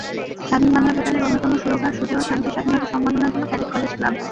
স্বাধীন বাংলা বেতারের অন্যতম সুরকার সুজেয় শ্যামকে স্বাধীনতা সম্মাননা দিল ক্যাডেট কলেজ ক্লাব।